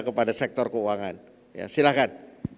kepada sektor keuangan silahkan